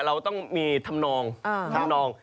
เราต้องมีธรรมนองทำนอง